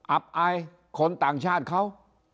อับอายคนต่างชาติเขา